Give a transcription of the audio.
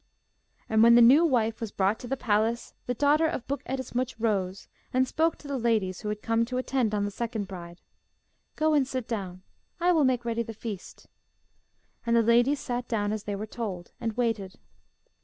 Now when the new wife was brought to the palace the daughter of Buk Ettemsuch rose, and spoke to the ladies who had come to attend on the second bride. 'Go and sit down. I will make ready the feast.' And the ladies sat down as they were told, and waited.